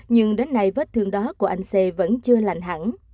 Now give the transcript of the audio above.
nhưng đến nay vết thương đó của anh xê vẫn chưa lành hẳn